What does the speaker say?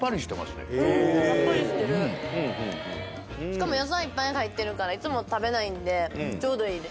しかも野菜いっぱい入ってるからいつも食べないんでちょうどいいです。